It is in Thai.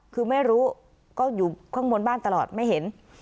คือไม่รู้ก็อยู่ข้างบนบ้านตลอดไม่เห็น